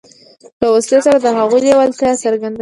له وسلې سره د هغوی لېوالتیا څرګندوله.